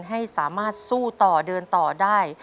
ให้สามารถสู้ต่อเดินต่อได้